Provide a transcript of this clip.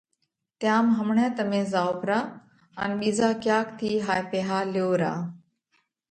تيام همڻئہ تمي زائو پرا ان ٻِيزا ڪياڪ ٿِي هائي پئِيها ليو را۔